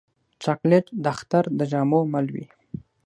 چاکلېټ د اختر د جامو مل وي.